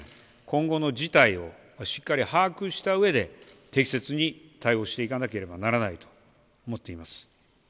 今後の事態をしっかり把握したうえで、適切に対応していかなければならないと思っています。